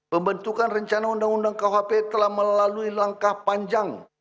pembentukan rencana undang undang kuhp telah melalui langkah panjang